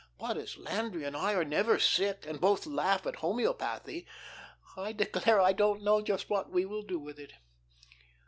But, as Landry and I are never sick and both laugh at homoeopathy, I declare I don't know just what we will do with it.